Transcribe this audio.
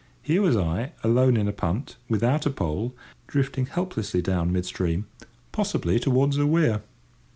Here was I, alone in a punt, without a pole, drifting helplessly down mid stream—possibly towards a weir.